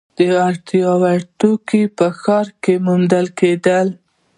د اړتیا وړ توکي په ب ښار کې موندل کیدل.